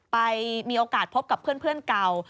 มีโอกาสพบกับเพื่อนเก่า